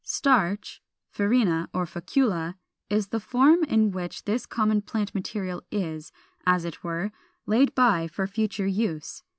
419. =Starch= (Farina or Fecula) is the form in which this common plant material is, as it were, laid by for future use.